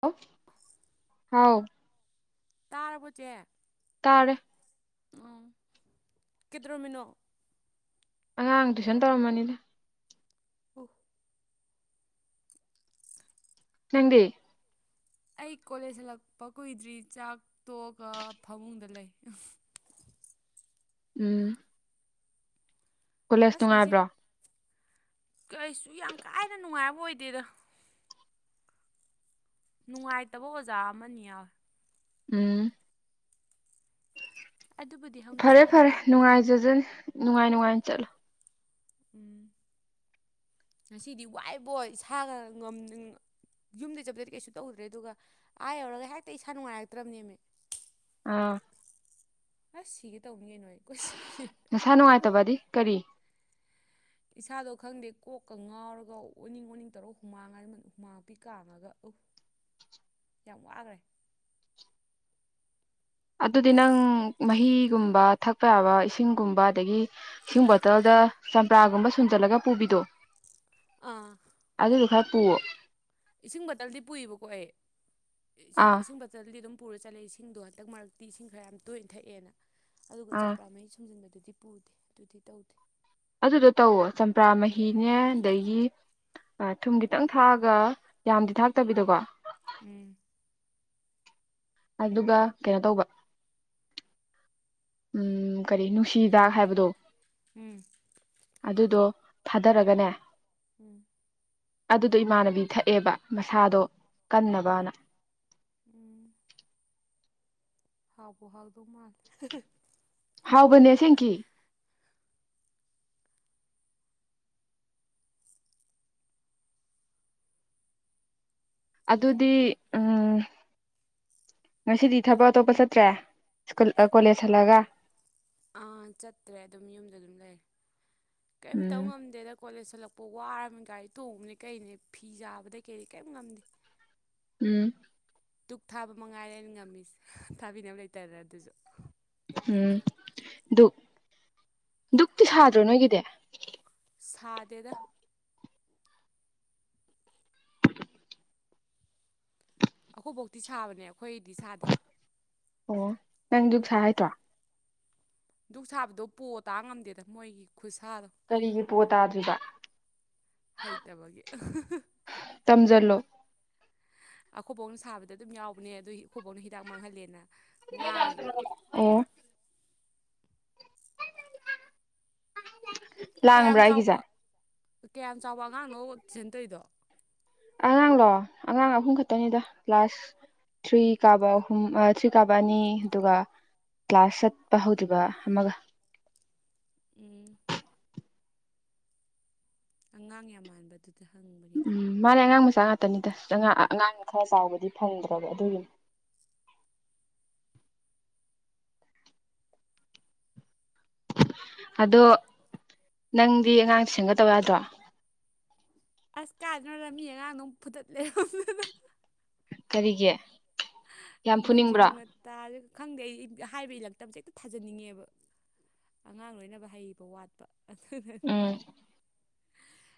ꯍ ꯍꯥꯎ ꯇꯥꯔꯕꯣꯠꯆꯦ ꯀꯔ ꯑ ꯀꯗ꯭ꯔꯣꯃꯤꯅꯣ ꯑꯉꯥꯡ ꯇꯨꯏꯁꯟ ꯇꯧꯔꯝꯃꯅꯤꯅ ꯑꯣꯐ ꯅꯪꯗꯤ ꯑꯩ ꯀꯣꯂꯦꯖ ꯍꯜꯂꯛꯄ ꯀꯨꯏꯗ꯭ꯔꯤ ꯆꯥꯛ ꯇꯣꯛꯑꯒ ꯐꯃꯨꯡꯗ ꯂꯩ ꯎꯝ ꯀꯣꯂꯦꯖ ꯑꯁ ꯉꯁꯤ ꯅꯨꯡꯉꯥꯏꯕ꯭ꯔꯣ ꯀꯩꯁꯨ ꯌꯥꯝ ꯀꯥꯏꯅ ꯅꯨꯡꯉꯥꯏꯕ ꯑꯣꯏꯗꯦꯗ ꯅꯨꯡꯉꯥꯏꯇꯕ ꯑꯣꯖꯥ ꯑꯃꯅꯤ ꯌꯥꯎ ꯎꯝ ꯑꯗꯨꯕꯨꯗꯤ ꯍꯧꯅ ꯐꯔꯦ ꯐꯔꯦ ꯁꯥꯅꯤꯗ ꯅꯨꯡꯉꯥꯏꯖꯁꯤꯅꯤ ꯅꯨꯡꯉꯥꯏ ꯅꯨꯡꯉꯥꯏ ꯆꯠꯂꯣ ꯎꯝ ꯉꯁꯤꯗꯤ ꯋꯥꯏꯕꯣ ꯏꯁꯥꯒ ꯉ ꯌꯨꯝꯗ ꯆꯠꯄꯗꯗꯤ ꯀꯩꯁꯨ ꯇꯧꯗ꯭ꯔꯦ ꯑꯗꯨꯒ ꯑꯥ ꯌꯧꯔꯒ ꯍꯦꯛꯇ ꯏꯁꯥ ꯅꯨꯡꯉꯥꯏꯔꯛꯇ꯭ꯔꯕꯅꯦꯃꯦ ꯑꯥ ꯑꯁ ꯁꯤꯒꯦ ꯇꯧꯅꯤ ꯀꯩꯅꯣ ꯑꯩ ꯀꯣꯏ ꯅꯁꯥ ꯅꯨꯡꯉꯥꯏꯇꯕꯗꯤ ꯀꯔꯤ ꯏꯁꯥꯗꯣ ꯈꯪꯗꯦ ꯀꯣꯛꯀ ꯉꯥꯎꯔꯒ ꯑꯣꯅꯤꯡ ꯑꯣꯅꯤꯡ ꯇꯧꯔꯒ ꯍꯨꯃꯥꯡ ꯍꯥꯏ ꯍꯨꯃꯥꯡ ꯄꯄꯤ ꯀꯥꯡꯉꯒ ꯑ ꯌꯥꯝ ꯋꯥꯈ꯭ꯔꯦ ꯑꯗꯨꯗꯤ ꯅꯪ ꯃꯍꯤꯒꯨꯝꯕ ꯊꯛꯄ ꯌꯥꯕ ꯏꯁꯤꯡꯒꯨꯝꯕ ꯑꯗꯒꯤ ꯏꯁꯤꯡ ꯕꯣꯇꯜꯗ ꯆꯝꯄ꯭ꯔꯥꯒꯨꯝꯕ ꯁꯨꯖꯜꯂꯒ ꯄꯨꯕꯤꯗꯣ ꯑꯥ ꯑꯗꯨꯗꯨ ꯈꯔ ꯄꯨꯔ ꯏꯁꯤꯡ ꯇꯜꯗꯤ ꯄꯨꯏꯕꯀꯣ ꯑꯩ ꯏꯁꯤꯡ ꯑꯥ ꯏꯁꯤꯡ ꯆ ꯆꯗꯤ ꯑꯗꯨꯝ ꯄꯨꯔ ꯆꯠꯂꯦ ꯏꯁꯤꯡꯗꯣ ꯍꯟꯗꯛ ꯃꯔꯛꯇꯤ ꯏꯁꯤꯡ ꯈꯔ ꯌꯥꯝ ꯇꯣꯏꯅ ꯊꯛꯑꯦꯅ ꯑꯗꯨꯒ ꯑꯥ ꯆꯝꯄ꯭ꯔꯥ ꯃꯩ ꯁꯨꯝꯖꯤꯟꯕꯗꯨꯗꯤ ꯄꯨꯗꯦ ꯑꯗꯨꯗꯤ ꯇꯧꯗꯦ ꯑꯗꯨꯗꯣ ꯇꯧꯋꯣ ꯆꯝꯄ꯭ꯔꯥ ꯃꯍꯤꯅꯦ ꯑꯗꯒꯤ ꯊꯨꯝ ꯈꯤꯇꯪ ꯊꯥꯛꯑꯒ ꯌꯥꯝꯗꯤ ꯊꯥꯛꯇꯕꯤꯗꯣꯀꯣ ꯎꯝ ꯑꯗꯨꯒ ꯀꯩꯅꯣ ꯇꯧꯕ ꯎꯝ ꯀꯔꯤ ꯅꯨꯡꯁꯤꯗꯥꯛ ꯍꯥꯏꯕꯗꯣ ꯎꯝ ꯑꯗꯨꯗꯣ ꯊꯥꯗꯔꯒꯅꯦ ꯎꯝ ꯑꯗꯨꯗꯣ ꯏꯃꯥꯟꯅꯕꯤ ꯊꯛꯑꯦꯕ ꯃꯁꯥꯗꯣ ꯀꯟꯅꯕꯅ ꯎꯝ ꯍꯥꯎꯕꯕꯨ ꯍꯥꯎꯗꯧ ꯃꯥꯜꯂꯦ ꯍꯥꯎꯕꯅꯦ ꯁꯦꯡꯀꯤ ꯑꯗꯨꯗꯤ ꯎꯝ ꯉꯁꯤꯗꯤ ꯊꯕꯛ ꯑꯇꯣꯞꯄ ꯆꯠꯇ꯭ꯔꯦ ꯁ꯭ꯀꯨꯜ ꯀꯣꯂꯦꯖ ꯍꯜꯂꯒ ꯑꯥ ꯆꯠꯇ꯭ꯔꯦ ꯑꯗꯨꯝ ꯌꯨꯝꯗ ꯑꯗꯨꯝ ꯂꯩ ꯀꯔꯤꯝꯇꯧ ꯎꯝ ꯉꯝꯗꯦꯗ ꯀꯣꯂꯦꯖ ꯍꯜꯂꯛꯄ ꯋꯥꯔꯕꯅꯤ ꯒꯥꯔꯤ ꯊꯣꯡꯉꯕꯅꯤ ꯀꯩꯅꯦ ꯐꯤ ꯆꯥꯕꯗꯩ ꯀꯩꯔꯤ ꯀꯔꯤꯝ ꯉꯝꯗꯦ ꯎꯝ ꯗꯨꯛ ꯊꯥꯕ ꯃꯉꯥꯏꯔꯦꯅ ꯉꯝꯃꯤꯁꯦ ꯊꯥꯕꯤꯅꯕ ꯂꯩꯇꯔ ꯑꯗꯨꯁꯨ ꯎꯝ ꯙꯛ ꯙꯗꯨꯛꯇꯤ ꯁꯥꯗ꯭ꯔꯣ ꯅꯣꯏꯒꯤꯗꯤ ꯁꯥꯗꯦꯗ ꯑꯈꯣꯏꯕꯣꯛꯇꯤ ꯁꯥꯕꯅꯦ ꯑꯩꯈꯣꯏꯗꯤ ꯁꯥꯗꯦ ꯑꯣ ꯅꯪꯗꯨ ꯁꯥ ꯍꯥꯏꯇ꯭ꯔꯣ ꯙꯗꯨꯛ ꯁꯥꯕꯗꯣ ꯄꯣ ꯇꯥ ꯉꯝꯗꯦꯗ ꯃꯣꯏꯒꯤ ꯈꯨꯠꯁꯥꯗꯣ ꯀꯔꯤꯒꯤ ꯄꯣ ꯇꯥꯗ꯭ꯔꯤꯗ ꯍꯩꯇꯕꯒꯤ ꯇꯝꯖꯜꯂꯣ ꯑꯩꯈꯣꯏꯕꯣꯡꯅ ꯁꯥꯕꯗ ꯑꯗꯨꯝ ꯌꯥꯎꯕꯅꯦ ꯑꯗꯨ ꯏꯈꯨꯕꯧꯅ ꯍꯤꯗꯥꯛ ꯃꯥꯡꯍꯜꯂꯦꯅ ꯉꯥꯡꯉꯤꯕ ꯑꫭ ꯀꯌꯥꯝ ꯂꯥꯡꯕ꯭ꯔꯥ ꯑꯩꯒꯤꯁꯦ ꯆꯥꯎꯕ ꯀꯌꯥꯝ ꯆꯥꯎꯕ ꯑꯉꯥꯡꯅꯣ ꯁꯦꯟꯇꯔꯤꯗꯣ ꯑꯉꯥꯡꯂꯣ ꯑꯉꯥꯡ ꯑꯍꯨꯝ ꯈꯛꯇꯅꯤꯗ ꯀ꯭ꯂꯥꯁ ꯊ꯭ꯔꯤ ꯀꯥꯕ ꯑꯍꯨꯝ ꯊ꯭ꯔꯤ ꯀꯥꯕ ꯑꯅꯤ ꯑꯗꯨꯒ ꯀ꯭ꯂꯥꯁ ꯆꯠꯄ ꯍꯧꯗ꯭ꯔꯤꯕ ꯑꯃꯒ ꯎꯝ ꯑꯉꯥꯡ ꯌꯥꯝ ꯃꯥꯟꯕꯗꯨꯗ ꯍꯪꯕꯒꯤꯗ ꯎꯝ ꯃꯥꯅꯦ ꯑꯉꯥꯡ ꯃꯆꯥ ꯉꯥꯛꯇꯅꯤꯗ ꯑꯉꯥꯡꯅ ꯈꯔ ꯆꯥꯎꯕꯗꯤ ꯐꯪꯗ꯭ꯔꯕ ꯑꯗꯨꯒꯤꯅꯤ ꯑꯗꯣ ꯅꯪꯗꯤ ꯑꯉꯥꯡ ꯁꯦꯝꯒ ꯇꯧ ꯌꯥꯗ꯭ꯔꯣ ꯑꯁ ꯀꯥꯗꯅ ꯂꯝꯃꯤ ꯑꯉꯥꯡꯗꯨ ꯐꯨꯗꯠꯂꯦ [unintelligible] ꯀꯔꯤꯒꯤ ꯌꯥꯝ ꯃꯆꯤꯡ ꯐꯨꯅꯤꯡꯕ꯭ꯔꯣ ꯃꯇ ꯈꯪꯗꯦ ꯑꯩ ꯍꯥꯏꯕ ꯏꯜꯂꯛꯇꯕꯁꯦ ꯍꯦꯛꯇ ꯊꯥꯖꯟꯅꯤꯡꯉꯦꯕ ꯑꯉꯥꯡ ꯂꯣꯏꯅꯕ ꯍꯩꯕ ꯋꯥꯠꯄ ꯑꯗꯨꯗꯅꯤ ꯎꯝ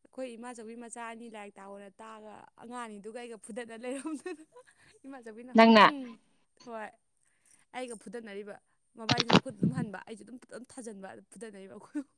ꯑꯩꯈꯣꯏ ꯏꯃꯥꯆꯧꯕꯤ ꯃꯆꯥ ꯑꯅꯤ ꯂꯥꯏꯔꯤꯛ ꯇꯥꯕꯅ ꯇꯥꯛꯑꯒ ꯑꯉꯥꯡ ꯑꯅꯤꯗꯨꯒꯩꯒ ꯐꯨꯗꯠꯅ ꯂꯩꯔꯝꯗꯅ ꯏꯃꯥꯟꯖꯕꯤꯅ ꯅꯪꯅ ꯎꯝ ꯍꯣꯏ ꯑꯩꯒ ꯐꯨꯗꯅꯔꯤꯕ ꯃꯕꯥꯏꯁꯦ ꯃꯈꯨꯠꯇ ꯑꯗꯨꯝ ꯍꯟꯕ ꯑꯩꯁꯨ ꯑꯗꯨꯝ ꯑꯗꯨꯝ ꯊꯥꯖꯟꯕ ꯑꯗꯨ ꯐꯨꯗꯅꯔꯤꯕ ꯑꯩꯈꯣꯏꯕꯨ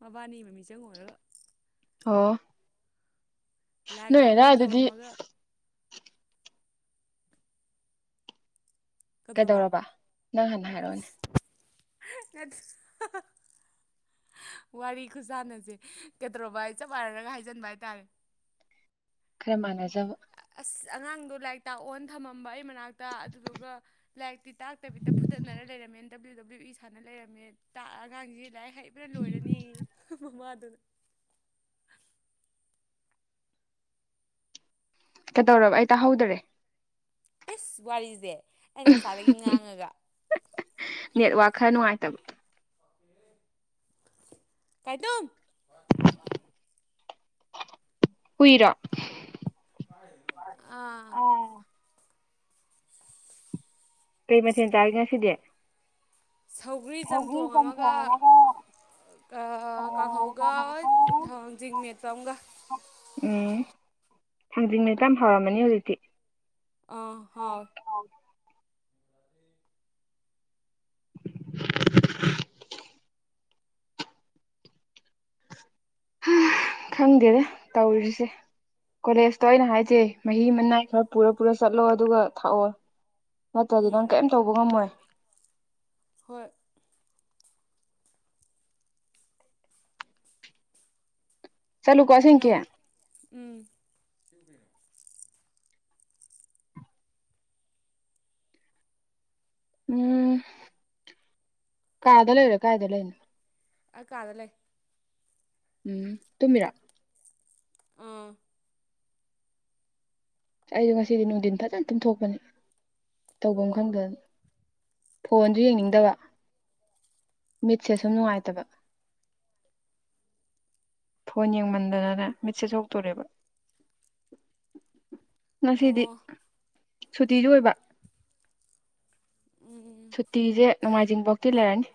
ꯃꯕꯥꯅꯤ ꯃꯃꯤꯆꯪ ꯑꯣꯏꯔꯣ ꯑꯣ ꯂꯥꯏꯔꯤꯛ ꯅꯣꯏ ꯑꯗꯥꯏ ꯇꯥꯛꯑꯣꯅ ꯑꯗꯨꯗꯤ ꯊꯝꯃꯝꯃꯒ ꯀꯗꯦꯔꯕ ꯀꯩꯗꯧꯔꯕ ꯅꯪ ꯍꯥꯟꯅ ꯍꯥꯏꯔꯛꯑꯣꯅꯦ [unintelligible] ꯋꯥꯔꯤ ꯈꯨꯁꯥꯟꯅꯁꯦ ꯀꯩꯗꯧ ꯆꯞ ꯃꯥꯟꯅꯔꯒ ꯍꯥꯏꯖꯟꯕ ꯍꯥꯏꯇꯥꯔꯦ ꯈꯔ ꯃꯥꯟꯅꯖꯕ ꯑꯁ ꯑꯉꯥꯡꯗꯣ ꯂꯥꯏꯔꯤꯛ ꯇꯥꯛꯑꯣꯅ ꯊꯝꯃꯝꯕ ꯑꯩ ꯃꯅꯥꯛꯇ ꯑꯗꯨꯗꯨꯒ ꯂꯥꯏꯔꯤꯛꯇꯤ ꯇꯥꯛꯇꯕꯤꯗ ꯐꯨꯗꯠꯅꯔ ꯂꯩꯔꯝꯃꯦ ꯗꯕ꯭ꯂꯤꯎ ꯗꯕ꯭ꯂꯤꯎ ꯏ ꯁꯥꯟꯅ ꯂꯩꯔꯝꯃꯦ ꯇꯥꯛ ꯑꯉꯥꯡꯁꯦ ꯂꯥꯏ ꯍꯩꯕ꯭ꯔꯥ ꯂꯣꯏꯔꯅꯤ ꯃꯃꯥꯗꯨꯅ ꯀꯩꯗꯧꯔꯕ ꯑꯩ ꯇꯥꯍꯧꯗꯔꯦ ꯏꯁ ꯋꯥꯔꯤꯁꯦ ꯑꯩꯅ ꯉꯁꯥꯏꯗꯒꯤ ꯉꯥꯡꯉꯒ ꯅꯦꯠꯋꯥꯛ ꯈꯔ ꯅꯨꯡꯉꯥꯏꯇꯕ ꯀꯥꯏꯗꯝ ꯎꯨꯏꯔ ꯑꯥ [unintelligible] ꯀꯩ ꯃꯊꯦꯜ ꯆꯥꯔꯤꯒꯦ ꯉꯁꯤꯗꯤ ꯁꯧꯒ꯭ꯔꯤ ꯆꯝꯊꯣꯡ ꯑꯃꯒ ꯀꯥ ꯀꯥꯡꯍꯧꯒ ꯊꯥꯡꯖꯤꯡ ꯃꯇꯝꯒ ꯎꯝ ꯊꯥꯡꯖꯤꯡ ꯃꯦꯇꯥ ꯐꯥꯎꯔꯝꯃꯅꯤ ꯍꯧꯖꯤꯛꯇꯤ ꯑ ꯍꯥꯎꯏ [inaudible] ꯈꯪꯗꯦꯅꯦ ꯇꯧꯔꯤꯁꯦ ꯀꯣꯂꯦꯖꯇꯣ ꯑꯩꯅ ꯍꯥꯏꯖꯦ ꯃꯍꯤ ꯃꯅꯥꯏ ꯈꯔ ꯄꯨꯔ ꯄꯨꯔ ꯆꯠꯂꯣ ꯑꯗꯨꯒ ꯊꯥꯛꯑꯣ ꯅꯠꯇ꯭ꯔꯗꯤ ꯅꯪ ꯎꯝ ꯀꯔꯤꯝ ꯇꯧꯕ ꯉꯝꯃꯣꯏ ꯍꯣꯏ ꯆꯠꯂꯨꯀꯣ ꯑꯁꯦꯡꯀꯤ ꯌꯥꯝ ꯎꯝ ꯎꯝ ꯀꯥꯗ ꯂꯩꯔꯣ ꯀꯥꯏꯗ ꯂꯩꯅꯣ ꯑ ꯀꯥꯗ ꯂꯩꯦ ꯎꯝ ꯇꯨꯝꯃꯤꯔꯛ ꯑꯥ ꯑꯩꯁꯨꯣ ꯉꯁꯤꯗꯤ ꯅꯨꯡꯊꯤꯟ ꯐꯖꯅ ꯇꯤꯟꯊꯣꯛꯄꯅꯤ ꯇꯧꯐꯝ ꯈꯪꯗꯅ ꯐꯣꯟꯗꯨ ꯌꯦꯡꯅꯤꯡꯗꯕ ꯃꯤꯠꯁꯦ ꯁꯨꯝ ꯅꯨꯡꯉꯥꯏꯇꯕ ꯐꯣꯟ ꯌꯦꯡꯃꯟꯗꯅꯅ ꯃꯦꯠꯁꯦꯖ ꯍꯧꯇꯣꯔꯦꯕ ꯉꯁꯤꯗꯤ ꯑꯣ ꯁꯨꯇꯤꯁꯨ ꯑꯣꯏꯕ ꯎꯝ ꯁꯨꯇꯤꯁꯦ ꯅꯣꯡꯃꯥꯏꯖꯤꯡꯐꯥꯎꯇꯤ ꯂꯩꯔꯅꯤ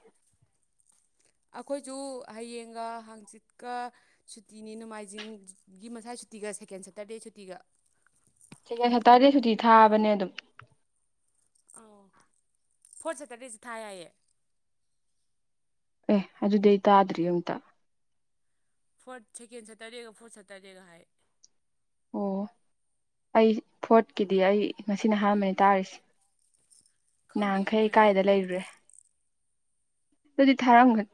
ꯑꯩꯈꯣꯏꯁꯨ ꯍꯌꯦꯡꯒ ꯍꯥꯡꯆꯤꯠꯀ ꯁꯨꯇꯤꯅꯤ ꯅꯣꯡꯃꯥꯏꯖꯤꯡꯒꯤ ꯃꯁꯥ ꯁꯨꯇꯤꯒ ꯁꯦꯀꯦꯟ ꯁꯇꯔꯗꯦ ꯁꯨꯇꯤꯒ ꯆꯦꯀꯦ ꯁꯇꯥꯔꯗꯗꯤ ꯁꯨꯇꯤ ꯊꯥꯕꯅꯦ ꯑꯗꯨꯝ ꯑꯥꯎ ꯐꯣꯔꯠ ꯁꯦꯇꯔꯗꯦꯁꯦ ꯊꯥ ꯍꯥꯏꯌꯦ ꯑꯦ ꯑꯗꯨꯗꯤ ꯑꯩ ꯇꯥꯗ꯭ꯔꯤ ꯑꯨꯇ ꯐꯣꯔꯠ ꯁꯦꯀꯦꯟ ꯁꯇꯔꯗꯦꯒ ꯐꯣꯔꯠ ꯁꯇꯔꯗꯦꯒ ꯍꯥꯏ ꯑꯣ ꯑꯩ ꯐꯣꯔꯠꯀꯤꯗꯤ ꯑꯩ ꯉꯁꯤꯅ ꯑꯍꯥꯟꯕꯅꯤ ꯇꯥꯔꯤꯁꯦ ꯈꯪꯗꯦꯁꯨ ꯅꯍꯥꯟꯈꯩ ꯃꯣꯏ ꯍꯥꯏꯅꯤ ꯀꯥꯏꯗ ꯂꯩꯔꯨꯔꯦ ꯑꯗꯨꯗꯤ ꯊꯥꯔꯝꯒꯅꯤ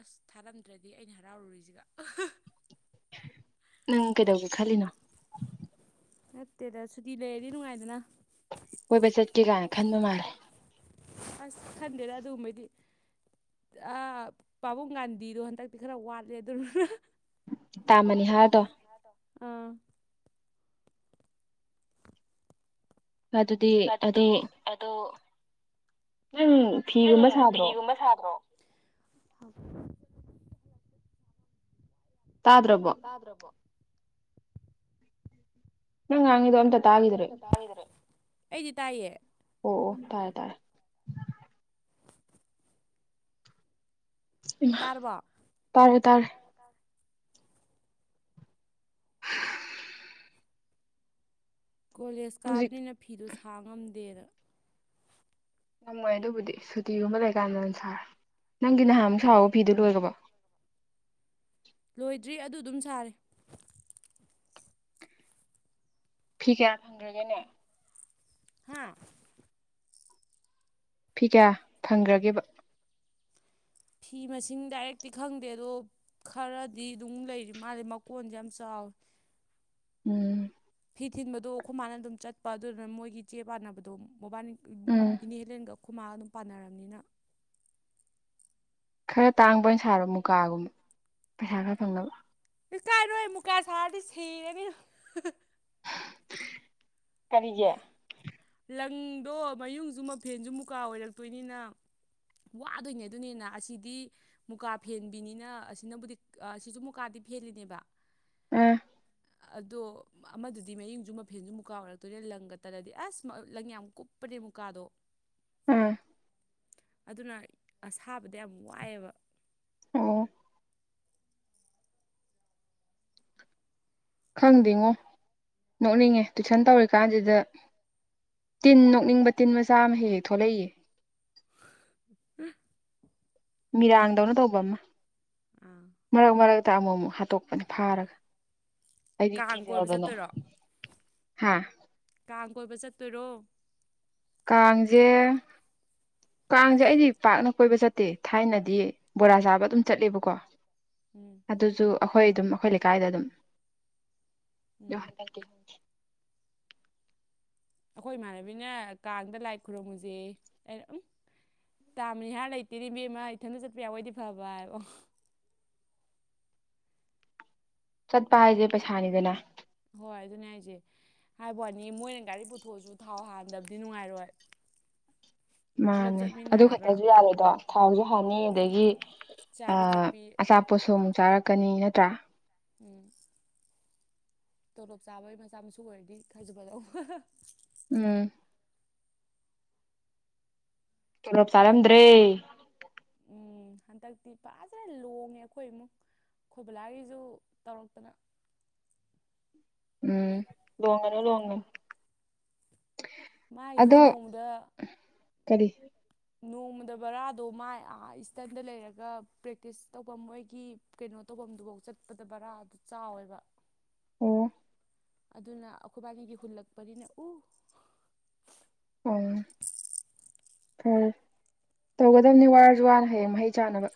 ꯑꯁ ꯊꯥꯔꯝꯗ꯭ꯔꯗꯤ ꯑꯩꯅ ꯍꯔꯥꯎꯔꯨꯔꯤꯁꯤꯒ ꯅꯪ ꯀꯩꯗꯧꯒꯦ ꯈꯜꯂꯤꯅꯣ ꯅꯠꯇꯦꯗ ꯁꯨꯇꯤ ꯂꯩꯔꯗꯤ ꯅꯨꯡꯉꯥꯏꯗꯅ ꯀꯣꯏꯕ ꯆꯠꯀꯦ ꯀꯥꯏ ꯈꯟꯕ ꯃꯥꯔꯦ ꯑꯁ ꯈꯟꯗꯦꯗ ꯑꯗꯨꯒꯨꯝꯕꯩꯗꯤ ꯄꯥꯕꯨꯡ ꯒꯥꯟꯙꯤꯗꯣ ꯍꯟꯗꯛꯇꯤ ꯈꯔ ꯋꯥꯠꯂꯦ ꯑꯗꯨ ꯇꯥꯃꯅꯤ ꯍꯥꯏꯔꯗꯣ ꯑ ꯑꯗꯨꯗꯤ ꯑꯗꯨ ꯑꯗꯨꯗꯤ ꯑꯗꯨ ꯎꯝ ꯅꯪ ꯐꯤꯒꯨꯝꯕ ꯁꯥꯕ꯭ꯔꯣ ꯇꯥ ꯗ꯭ꯔꯕꯣ ꯇꯗ꯭ꯔꯣꯕꯣ ꯅꯪꯥꯡꯉ ꯅꯪꯉꯥꯡꯉꯗꯣ ꯑꯝꯇ ꯇꯥꯏꯗ꯭ꯔꯦ ꯑꯩꯗꯤ ꯇꯥꯏꯌꯦꯦ ꯑꯣ ꯇꯥꯏ ꯇꯥꯏ ꯇꯥꯔꯕꯣ ꯇꯥꯔꯦ ꯇꯥꯔꯦ [unintelligible] ꯀꯣꯂꯦꯖ ꯍꯧꯖꯤꯛ ꯀꯥꯕꯅꯤꯅ ꯐꯤꯗꯣ ꯁꯥꯥ ꯉꯝꯗꯦꯅ ꯉꯝꯃꯣꯏ ꯑꯗꯨꯕꯨꯗꯤ ꯁꯨꯇꯤꯒꯨꯝꯕ ꯂꯩꯀꯥꯟꯗ ꯑꯣꯏ ꯁꯥ ꯅꯪꯒꯤ ꯅꯍꯥꯟꯃꯨꯛ ꯎꯝ ꯁꯥꯍꯧꯕ ꯐꯤꯗꯨ ꯂꯣꯏꯒꯕꯣ ꯂꯣꯏꯗ꯭ꯔꯤ ꯑꯗꯨ ꯑꯗꯨꯝ ꯁꯥꯔꯦ ꯐꯤ ꯀꯌꯥ ꯐꯪꯒꯔꯒꯦ ꯅꯪ ꯍꯥꯥ ꯐꯤ ꯀꯌꯥ ꯐꯪꯈ꯭ꯔꯒꯦꯕ ꯐꯤ ꯃꯁꯤꯡ ꯗꯥꯏꯔꯦꯛꯇꯤ ꯈꯪꯗꯦ ꯑꯗꯣ ꯈꯔꯗꯤ ꯑꯗꯨꯝ ꯂꯩꯔꯤ ꯃꯥꯜꯂꯤꯦ ꯃꯀꯣꯟꯁꯦ ꯌꯥꯝ ꯆꯥꯎꯋꯦ ꯎꯝ ꯐꯤ ꯊꯤꯟꯕꯗꯣ ꯑꯩꯈꯣꯏ ꯃꯥꯅ ꯑꯗꯨꯝ ꯆꯠꯄ ꯑꯗꯨꯗꯨꯅ ꯃꯣꯏꯒꯤ ꯆꯦ ꯄꯥꯟꯅꯕꯗꯣ ꯃꯣꯕꯥꯏꯜ ꯎꯝ ꯏꯅꯦ ꯍꯂꯦꯟꯒ ꯈꯨꯃꯥꯡ ꯑꯗꯨꯝ ꯄꯥꯟꯅꯔꯕꯅꯤꯅ ꯈꯔ ꯇꯥꯡꯕ ꯑꯣꯏꯅ ꯁꯥꯔꯕ ꯃꯨꯀꯥꯒꯨꯝꯕ ꯄꯩꯁꯥ ꯈꯔ ꯐꯪꯅꯕ ꯀꯥꯏꯔꯣꯏ ꯃꯨꯀꯥ ꯁꯥꯔꯗꯤ ꯁꯔꯦꯅꯤꯅ ꯀꯔꯤꯒꯤ ꯂꯪꯗꯣ ꯃꯌꯨꯡꯁꯨ ꯃꯐꯦꯟꯁꯨ ꯃꯨꯀꯥ ꯑꯣꯏꯔꯛꯇꯣꯏꯅꯤꯅ ꯋꯥꯗꯣꯏꯅꯦ ꯑꯗꯨꯅ ꯍꯦꯟꯅ ꯑꯁꯤꯗꯤ ꯃꯨꯀꯥ ꯐꯦꯟꯕꯤꯅꯤꯅ ꯑꯁꯤꯅꯕꯨꯗꯤ ꯑꯥ ꯁꯤꯁꯨ ꯃꯨꯀꯥꯗꯤ ꯐꯦꯜꯂꯤꯅꯦꯕ ꯎꯝ ꯑꯗꯣ ꯑꯃꯗꯨꯗꯤ ꯃꯌꯨꯡꯁꯨ ꯃꯐꯦꯟꯁꯨ ꯃꯨꯀꯥ ꯑꯣꯏꯔꯛꯇꯣꯏꯅꯤꯅ ꯂꯪꯒ ꯇꯠꯂꯗꯤ ꯑꯁ ꯂꯪ ꯌꯥꯝ ꯀꯨꯞꯄꯅꯦ ꯃꯨꯀꯥꯗꯣ ꯎꯝ ꯑꯗꯨꯅ ꯑꯁꯥꯕꯗ ꯌꯥꯝ ꯋꯥꯏꯑꯦꯕ ꯑꯣ ꯈꯪꯗꯦꯉꯣ ꯅꯣꯛꯅꯤꯡꯉꯦ ꯇꯨꯏꯁꯟ ꯇꯧꯔꯤ ꯀꯥꯟꯁꯤꯗ ꯇꯤꯟ ꯅꯣꯛꯅꯤꯡꯕ ꯇꯤꯟ ꯃꯆꯥ ꯑꯃ ꯍꯦꯛ ꯍꯦꯛ ꯊꯣꯛꯂꯛꯏꯌꯦ [unintelligible] ꯃꯤꯔꯥꯡꯗꯧꯅ ꯇꯧꯕ ꯑꯃ ꯑꯥ ꯃꯔꯛ ꯃꯔꯛꯇ ꯑꯃꯨꯛ ꯑꯃꯨꯛ ꯍꯥꯠꯇꯣꯛꯄꯅꯦ ꯐꯥꯔꯒ ꯑꯩꯗꯤ ꯀꯥꯡ ꯀꯣꯏꯕ ꯀꯤꯖꯗꯅ ꯆꯠꯇꯣꯏꯔꯣ ꯍꯥꯥ ꯀꯥꯡ ꯀꯣꯏꯕ ꯆꯠꯇꯣꯏꯔꯣ ꯀꯥꯡꯖꯦ ꯀꯥꯡꯖꯦ ꯑꯩꯗꯤ ꯄꯥꯛꯅ ꯀꯣꯏꯕ ꯆꯠꯇꯦ ꯊꯥꯏꯅꯗꯤ ꯕꯣꯔꯥ ꯆꯥꯕ ꯑꯗꯨꯝ ꯆꯠꯂꯦꯕꯀꯣ ꯎꯝ ꯑꯗꯨꯖꯨ ꯑꯈꯣꯏ ꯑꯗꯨꯝ ꯑꯈꯣꯏ ꯂꯩꯀꯥꯏꯗ ꯑꯗꯨꯝ ꯎꯝ ꯑꯈꯣꯏ ꯏꯃꯥꯟꯅꯕꯤꯅ ꯀꯥꯡꯗ ꯂꯥꯏ ꯈꯨꯔꯨꯝꯃꯨꯖꯦꯌꯦ ꯑꯩꯅ ꯎꯝ ꯇꯥꯝꯃꯅꯤꯍꯥꯔ ꯂꯩꯇꯦꯅꯦ ꯏꯕꯦꯝꯃ ꯏꯊꯟꯗ ꯆꯠꯄ ꯌꯥꯕꯑꯣꯏꯗꯤ ꯐꯕ ꯍꯥꯏꯕ ꯆꯠꯄ ꯍꯥꯏꯖꯦ ꯄꯩꯁꯥꯅꯤꯗꯅ ꯍꯣꯏ ꯑꯗꯨꯅꯦ ꯍꯥꯏꯖꯦ ꯍꯥꯏꯕ ꯋꯥꯅꯤ ꯃꯣꯏꯅ ꯒꯥꯔꯤ ꯄꯨꯊꯣꯛꯑꯁꯨ ꯊꯥꯎ ꯍꯥꯟꯗꯕꯗꯤ ꯅꯨꯡꯉꯥꯏꯔꯣꯏ ꯄꯨꯂꯞ ꯃꯥꯅꯦ ꯑꯗꯨ ꯆꯠꯃꯤꯟꯅꯔꯒ ꯈꯠꯇꯁꯨ ꯌꯥꯔꯣꯏꯗꯣ ꯊꯥꯎꯖꯨ ꯍꯣꯏ ꯍꯥꯟꯅꯤ ꯑꯗꯒꯤ ꯆꯥꯕꯤ ꯑꯥ ꯊꯛꯄꯤ ꯑꯆꯥꯄꯣꯠꯁꯨ ꯑꯃꯨꯛ ꯆꯥꯔꯛꯀꯅꯤ ꯅꯠꯇ꯭ꯔꯥ ꯎꯝ ꯇꯣꯂꯣꯞ ꯆꯥꯕꯩ ꯃꯆꯥ ꯃꯁꯨ ꯑꯣꯏꯔꯗꯤ ꯈꯖꯨ ꯐꯥꯗꯧꯕ ꯎꯝ ꯇꯣꯂꯣꯞ ꯍꯟꯗꯛ ꯆꯥꯔꯝꯗ꯭ꯔꯦ ꯎꯝ ꯍꯟꯇꯛꯇꯤ ꯐꯖꯅ ꯂꯣꯡꯉꯦ ꯑꯈꯣꯏ ꯏꯃꯨꯡ ꯈꯣꯏꯕꯂꯥꯏꯒꯤꯁꯨ ꯇꯧꯔꯛꯇꯅ ꯎꯝ ꯂꯣꯡꯉꯅꯣ ꯂꯣꯡꯉꯅꯤ ꯃꯥꯏꯖꯨ ꯅꯣꯡꯗ ꯀꯔꯤ ꯅꯣꯡꯃꯗ ꯕꯔꯥꯗꯣ ꯃꯥꯏ ꯏꯁꯇꯟꯗ ꯂꯩꯔꯒ ꯄ꯭ꯔꯦꯛꯇꯤꯁ ꯇꯧꯕ ꯃꯣꯏꯒꯤ ꯀꯩꯅꯣ ꯇꯧꯐꯝꯗꯨꯐꯥꯎ ꯆꯠꯄꯗ ꯕꯔꯥꯗꯨ ꯆꯥꯎꯋꯦꯕ ꯑꯣ ꯑꯗꯨꯅ ꯑꯩꯈꯣꯏꯕꯥꯅꯤꯒꯤ ꯍꯨꯜꯂꯛꯄꯅꯤꯅꯦ ꯎ ꯑꯣ ꯍꯣꯏ ꯇꯧꯒꯗꯕꯅꯤ ꯋꯥꯔꯁꯨ ꯋꯥꯅ ꯍꯌꯦꯡ ꯃꯍꯩ ꯆꯥꯅꯕ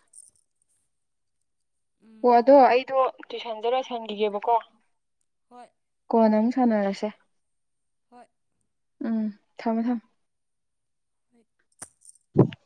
ꯍꯣ ꯎꯝ ꯑꯗꯣ ꯑꯩꯗꯣ ꯇꯨꯏꯁꯟꯗ ꯂꯣꯏꯁꯟꯒꯤꯒꯦꯕꯀꯣ ꯍꯣꯏ ꯀꯣꯟꯅ ꯑꯃꯨꯛ ꯁꯥꯟꯅꯔꯁꯦ ꯍꯣꯏ ꯎꯝ ꯊꯝꯃꯦ ꯊꯝꯃꯦ [unintelligible]